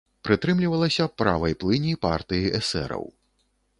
Прытрымлівалася правай плыні партыі эсэраў.